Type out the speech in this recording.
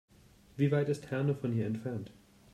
Wie weit ist Herne von hier entfernt?